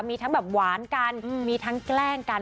มีทั้งแบบหวานกันมีทั้งแกล้งกัน